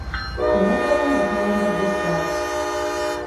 Olaga wa nga toyambadde ssaati ?